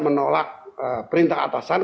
menolak perintah atasan